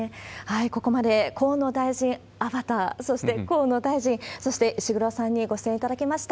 ここまで、河野大臣アバター、そして河野大臣、そして石黒さんにご出演いただきました。